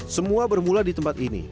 semua bermula di tempat ini